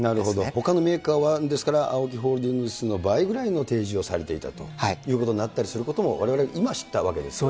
ほかのメーカーは、ＡＯＫＩホールディングスの倍ぐらいの提示をされていたということもわれわれ、今、知ったわけですね。